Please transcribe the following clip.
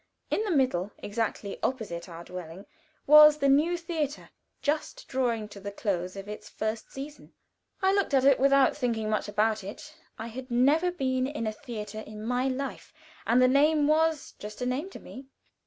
In the middle, exactly opposite our dwelling, was the New Theater, just drawing to the close of its first season. I looked at it without thinking much about it. I had never been in a theater in my life, and the name was but a name to me.